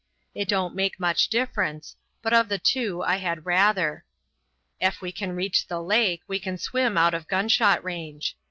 It don't make much difference; but, of the two, I had rather. Ef we can reach the lake, we can swim out of gunshot range.